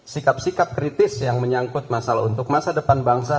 sikap sikap kritis yang menyangkut masalah untuk masa depan bangsa